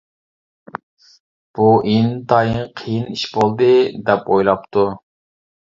بۇ ئىنتايىن قىيىن ئىش بولدى-دەپ ئويلاپتۇ.